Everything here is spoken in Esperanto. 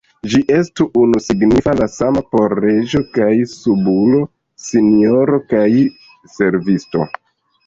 Ĝi estu unusignifa, la sama por reĝo kaj subulo, sinjoro kaj servisto.